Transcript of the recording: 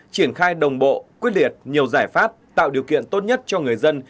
triển khai đồng bộ quyết liệt nhiều giải pháp tạo điều kiện tốt nhất cho người dân